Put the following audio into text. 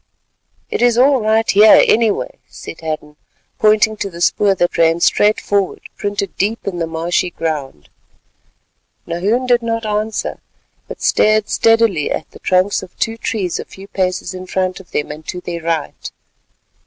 "It is all right here, anyway," said Hadden, pointing to the spoor that ran straight forward printed deep in the marshy ground. Nahoon did not answer, but stared steadily at the trunks of two trees a few paces in front of them and to their right.